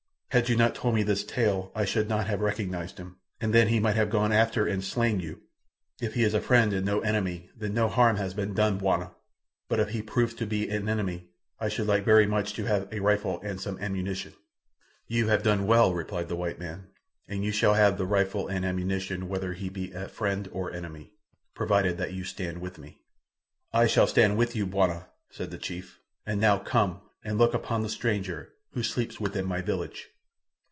"Had you not told me this tale I should not have recognized him, and then he might have gone after and slain you. If he is a friend and no enemy, then no harm has been done, bwana; but if he proves to be an enemy, I should like very much to have a rifle and some ammunition." "You have done well," replied the white man, "and you shall have the rifle and ammunition whether he be a friend or enemy, provided that you stand with me." "I shall stand with you, bwana," said the chief, "and now come and look upon the stranger, who sleeps within my village."